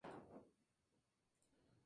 ¡La madre que lo parió!